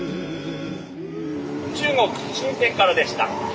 中国・深からでした。